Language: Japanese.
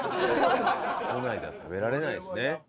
都内では食べられないですね。